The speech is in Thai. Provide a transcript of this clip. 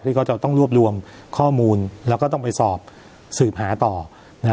ที่เขาจะต้องรวบรวมข้อมูลแล้วก็ต้องไปสอบสืบหาต่อนะฮะ